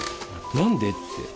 何で？って。